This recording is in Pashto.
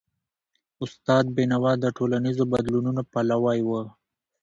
استاد بینوا د ټولنیزو بدلونونو پلوی و.